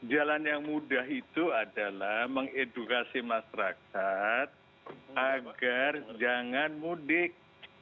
jalan yang mudah itu adalah mengedukasi masyarakat agar jangan mudik